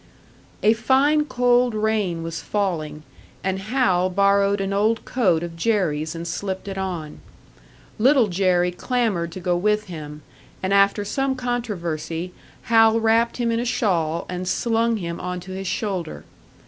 A fine, cold rain was falling, and Hal borrowed an old coat of Jerry's and slipped it on. Little Jerry clamoured to go with him, and after some controversy Hal wrapped him in a shawl and slung him onto his shoulder.